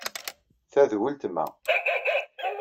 Ta d weltma.